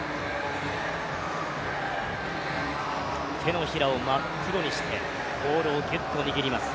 手のひらを真っ黒にして、ポールをぎゅっと握ります。